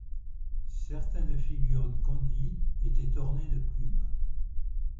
Certaines figures Nkondi étaient ornées de plumes.